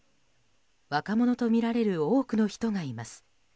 若者とみられる多くの人がいます。